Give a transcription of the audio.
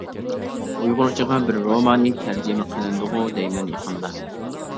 ئۇيغۇرچىغا بىر رومانى تەرجىمە قىلىندىغۇ دەيمەن، يېقىندا.